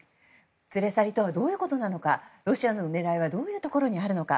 連れ去りとはどういうことなのかロシアの狙いはどういうところにあるのか。